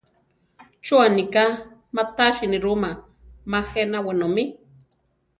¿Chú aniká má tasi nirúma ma jéna wenómi?